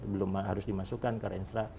belum harus dimasukkan ke renstra